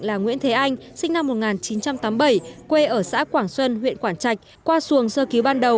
là nguyễn thế anh sinh năm một nghìn chín trăm tám mươi bảy quê ở xã quảng xuân huyện quảng trạch qua xuồng sơ cứu ban đầu